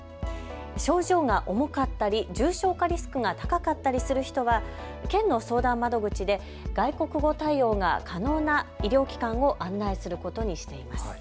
症状が重かったり重症化リスクが高かったりする人は県の相談窓口で外国語対応が可能な医療機関を案内することにしています。